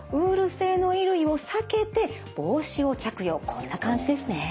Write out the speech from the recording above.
こんな感じですね。